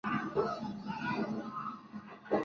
Pretenden divertir a la vez que activar áreas de la ciudad.